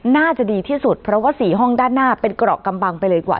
น่าจะดีที่สุดเพราะว่า๔ห้องด้านหน้าเป็นเกราะกำบังไปเลยกว่า